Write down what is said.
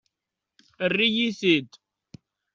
Err-iyi-t-id!